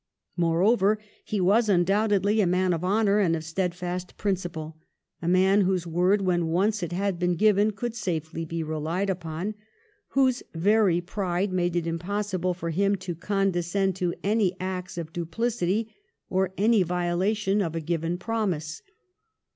Moreover, he was undoubtedly a man of honour and of steadfast principle ; a man whose word when once it had been given could safely be relied upon, whose very pride made it impossible for him to condescend to any acts of dupHcity or any violation of a given promise.